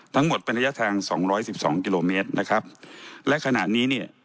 ทั้งหมดเป็นระยะทางสองร้อยสิบสองกิโลเมตรนะครับและขณะนี้เนี่ย